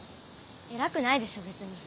偉くないでしょ別に。